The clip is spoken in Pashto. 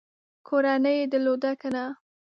کورنۍ یې درلودله که نه ؟